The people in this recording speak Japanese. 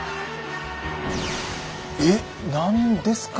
え⁉何ですか？